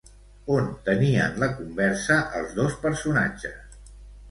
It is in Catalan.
On tenien la conversa els dos personatges?